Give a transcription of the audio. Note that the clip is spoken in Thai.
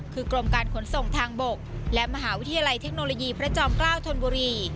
คือกรมการขนส่งทางบกและมหาวิทยาลัยเทคโนโลยีพระจอมเกล้าธนบุรี